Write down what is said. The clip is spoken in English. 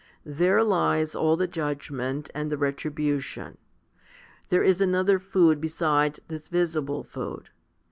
There lies all the judgment and the retribution. There is another food besides this visible food.